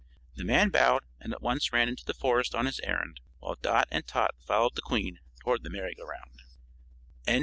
The man bowed and at once ran into the forest on his errand, while Dot and Tot followed the Queen toward the merry go round.